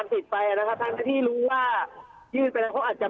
ยื่นไปแล้วเขาอาจจะไม่ให้นะครับ